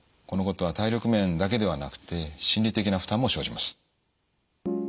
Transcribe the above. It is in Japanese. このことは体力面だけではなくて心理的な負担も生じます。